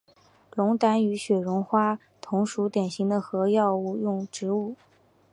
龙胆与雪绒花同属典型的和药用植物。